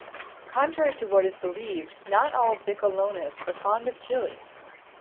Contrary to what is believed, not all Bicolanos are fond of chili.